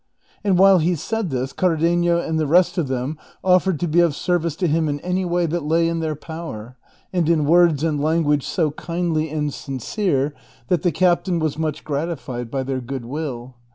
And while he said this Cardenio and the rest of them offered to be of service to him in any way that lay in their power, and in words and lan guage so kindly and sincere that the captain was much grati fied by their good will.